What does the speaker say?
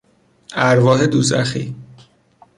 ارواح دوزخی